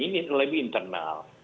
ini lebih internal